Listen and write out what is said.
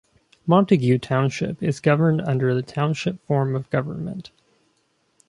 Montague Township is governed under the Township form of government.